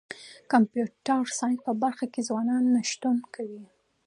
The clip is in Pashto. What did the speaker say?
د کمپیوټر ساینس په برخه کي ځوانان نوښتونه کوي.